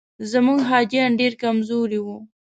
زموږ حاجیان ډېر کمزوري وو.